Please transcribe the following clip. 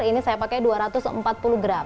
ini saya pakai dua ratus empat puluh gram